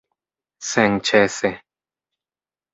senĉese